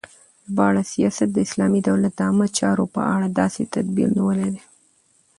ژباړه : سیاست د اسلامی دولت د عامه چارو په اړه داسی تدبیر نیول دی